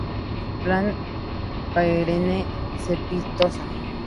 Planta perenne cespitosa.